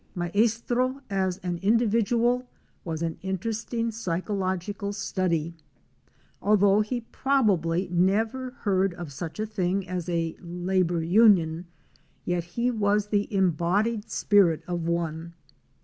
Maestro as an individual was an interesting psychological study. Although he probably never heard of such a thing as a labor union, yet he was the embodied spirit of one.